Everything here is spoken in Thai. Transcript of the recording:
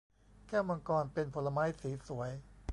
แก้วมังกรเป็นผลไม้สีสวย